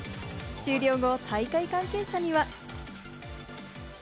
終了後、大会関係者には。